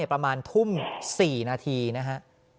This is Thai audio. ประมาณทุ่ม๔นาทีนะฮะ